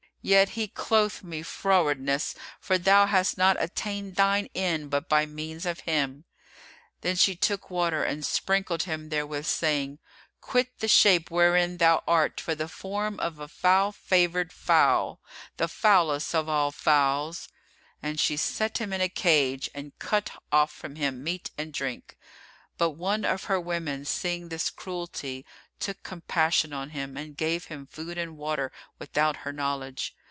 Yet he doth me frowardness; for thou hast not attained thine end but by means of him." Then she took water and sprinkled him therewith, saying, "Quit the shape wherein thou art for the form of a foul favoured fowl, the foulest of all fowls"; and she set him in a cage and cut off from him meat and drink; but one of her women seeing this cruelty, took compassion on him and gave him food and water without her knowledge.